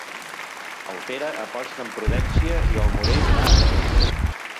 El Pere aposta amb prudència i el Morell va a totes.